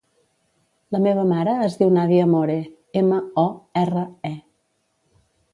La meva mare es diu Nàdia More: ema, o, erra, e.